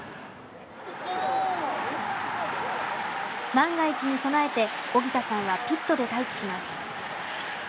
万が一に備えて荻田さんはピットで待機します。